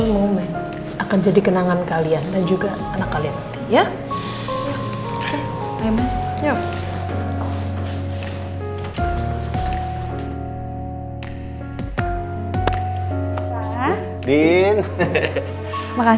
mbak andin kamu mau ke rumah